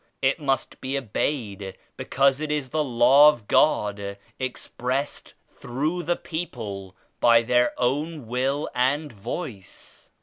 It must be obeyed because it is the Law of God expressed through the people by their own will and voice."